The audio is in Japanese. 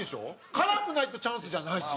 辛くないとチャンスじゃないし。